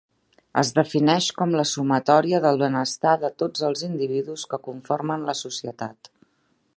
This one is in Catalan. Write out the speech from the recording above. Es defineix com la sumatòria del benestar de tots els individus que conformen la societat.